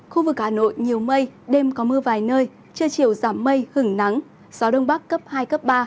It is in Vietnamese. khu vực hà nội nhiều mây đêm có mưa vài nơi trưa chiều giảm mây hứng nắng gió đông bắc cấp hai cấp ba